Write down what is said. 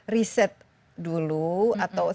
riset dulu atau sebenarnya sudah dikonsumsi